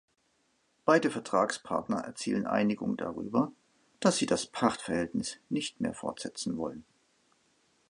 Beide Vertragspartner erzielen Einigung darüber, dass sie das Pachtverhältnis nicht mehr fortsetzen wollen.